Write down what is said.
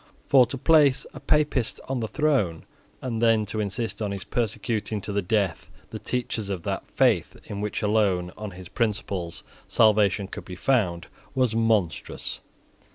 For to place a Papist on the throne, and then to insist on his persecuting to the death the teachers of that faith in which alone, on his principles, salvation could be found, was monstrous.